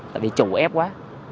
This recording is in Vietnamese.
tại vì chủ ép quá